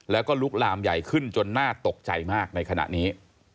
แล้วก็ลุกลามใหญ่ขึ้นจนน่าตกใจมากในขณะนี้